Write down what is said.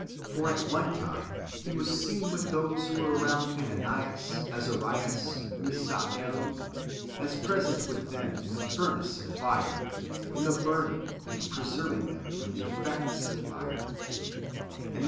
For at one time He was seen with those who were around Ananias, Azarias, Misael, as present with fliem in the furnace of fire, in the burning, and preserving them from [the effects of] fire :" And the appearance of the fourth," it 1 Ezck.